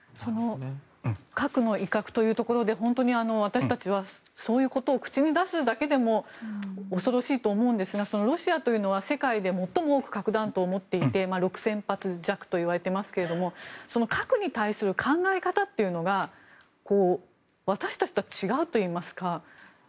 核の威嚇というところで本当に私たちはそういうことを口に出すだけでも恐ろしいと思うんですがロシアというのは世界で最も多く核弾頭を持っていて６０００発弱といわれていますが核に対する考え方というのが私たちとは違うといいますか。